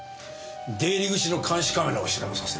出入り口の監視カメラを調べさせろ。